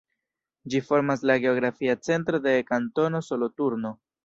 Ĝi formas la geografia centro de Kantono Soloturno.